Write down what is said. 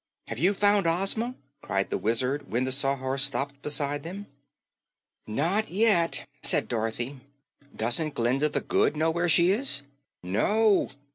"Have you found Ozma?" cried the Wizard when the Sawhorse stopped beside them. "Not yet," said Dorothy. "Doesn't Glinda the Good know where she is?" "No.